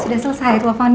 sudah selesai telepon ya